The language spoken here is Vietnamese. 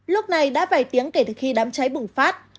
lúc này đã vài tiếng kể từ khi đám cháy bùng phát